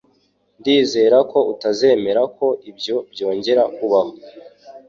Ndizera ko utazemera ko ibyo byongera kubaho.